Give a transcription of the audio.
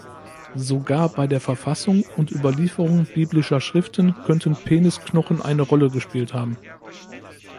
Sogar bei der Verfassung und Überlieferung biblischer Schriften könnten Penisknochen eine Rolle gespielt haben.